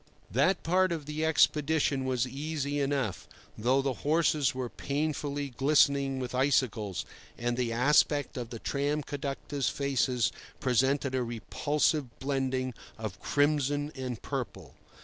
That part of the expedition was easy enough, though the horses were painfully glistening with icicles, and the aspect of the tram conductors' faces presented a repulsive blending of crimson and purple.